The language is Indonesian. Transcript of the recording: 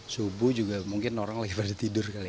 subuh juga mungkin orang lagi pada tidur kali ya